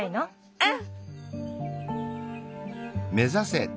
うん！